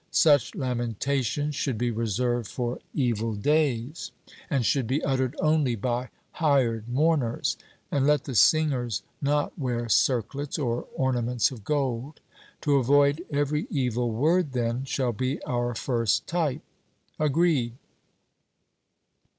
Such lamentations should be reserved for evil days, and should be uttered only by hired mourners; and let the singers not wear circlets or ornaments of gold. To avoid every evil word, then, shall be our first type. 'Agreed.'